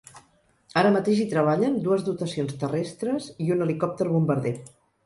Ara mateix hi treballen dues dotacions terrestres i un helicòpter bombarder.